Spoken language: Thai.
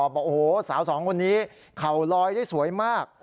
บอกโอ้โหสาวสองคนนี้เข่าลอยได้สวยมาก